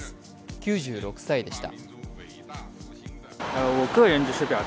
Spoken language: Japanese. ９６歳でした。